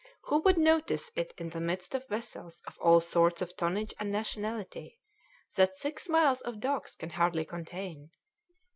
Who would notice it in the midst of vessels of all sorts of tonnage and nationality that six miles of docks can hardly contain?